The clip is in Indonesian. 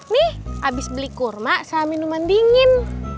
nih abis beli kurma saya minuman dingin